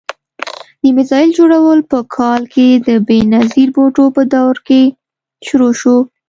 د میزایل جوړول په کال کې د بېنظیر بوټو په دور کې شروع شو.